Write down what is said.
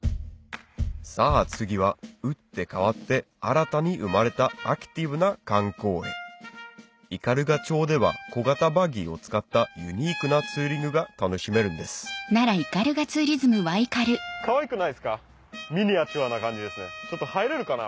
さぁ次は打って変わって新たに生まれたアクティブな観光へ斑鳩町では小型バギーを使ったユニークなツーリングが楽しめるんですちょっと入れるかな？